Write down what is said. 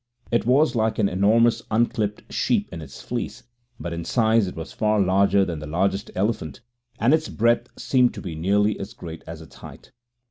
It was like an enormous unclipped sheep in its fleece, but in size it was far larger than the largest elephant, and its breadth seemed to be nearly as great as its height.